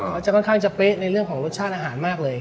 เขาจะค่อนข้างจะเป๊ะในเรื่องของรสชาติอาหารมากเลย